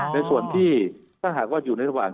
ในส่วนที่ถ้าหากว่าอยู่ในระหว่าง